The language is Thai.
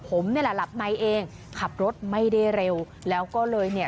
ผมนี่แหละหลับในเองขับรถไม่ได้เร็วแล้วก็เลยเนี่ย